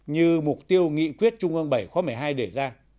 như mục tiêu nghị quyết trung ương bảy khóa một mươi hai đề ra